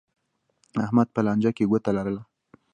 احمد په لانجه کې ګوته لرله.